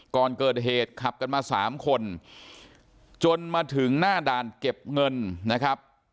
ก่อนเกิดเหตุขับกันมาสามคนจนมาถึงหน้าด่านเก็บเงินนะครับ